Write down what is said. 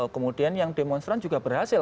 kemudian yang demonstran juga berhasil